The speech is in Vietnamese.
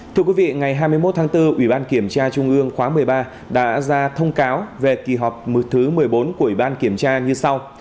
thưa quý vị ngày hai mươi một tháng bốn ủy ban kiểm tra trung ương khóa một mươi ba đã ra thông cáo về kỳ họp thứ một mươi bốn của ủy ban kiểm tra như sau